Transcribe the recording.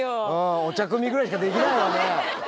お茶くみぐらいしかできないよね。